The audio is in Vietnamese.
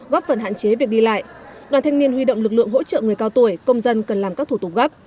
góp phần hạn chế việc đi lại đoàn thanh niên huy động lực lượng hỗ trợ người cao tuổi công dân cần làm các thủ tục gấp